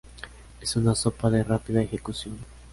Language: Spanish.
Es una sopa de rápida ejecución.